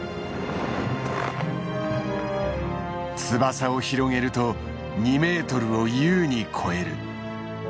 翼を広げると２メートルを優に超える。